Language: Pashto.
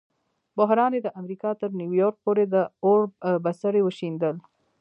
بحران یې د امریکا تر نیویارک پورې د اور بڅري وشیندل.